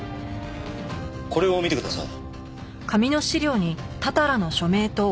これを見てください。